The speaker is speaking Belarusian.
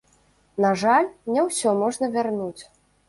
На жаль, не ўсё можна вярнуць.